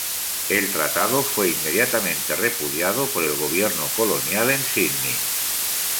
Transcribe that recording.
El tratado fue inmediatamente repudiado por el gobierno colonial en Sídney.